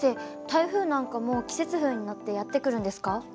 台風なんかも季節風に乗ってやって来るんですか？